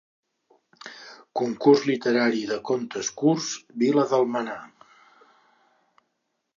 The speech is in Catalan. Concurs literari de contes curts "Vila d'Almenar"